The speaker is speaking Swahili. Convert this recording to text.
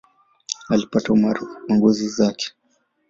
Alipata umaarufu kwa njozi zake.